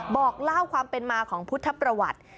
บอกเล่าความเป็นมาของพุทธประวัติ